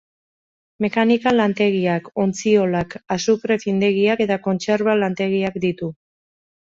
Mekanika lantegiak, ontziolak, azukre findegiak eta kontserba lantegiak ditu.